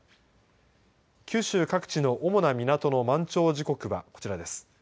九州各地の主な港の満潮時間はこちらです。